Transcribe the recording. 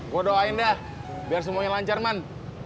gue doain deh biar semuanya lancar man